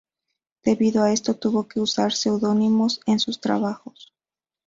Debido a esto, tuvo que usar seudónimos en sus trabajos.